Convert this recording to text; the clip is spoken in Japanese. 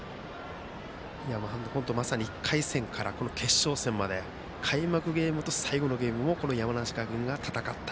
まさに１回戦から決勝戦まで開幕ゲームと最後のゲームをこの山梨学院が戦った。